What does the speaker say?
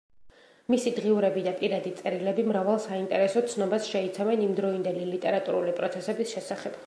მისი დღიურები და პირადი წერილები მრავალ საინტერესო ცნობას შეიცავენ იმდროინდელი ლიტერატურული პროცესების შესახებ.